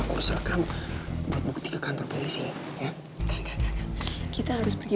bener aman gak ada apa apa